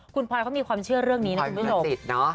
คุณพลอยเขามีความเชื่อเรื่องนี้นะคุณผู้ชม